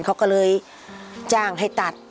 เขาก็เลยจ้างให้ตัด